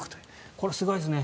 これ、すごいですね。